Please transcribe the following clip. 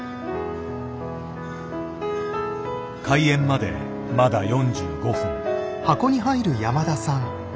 開演までまだ４５分。